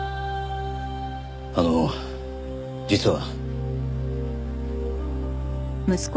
あの実は。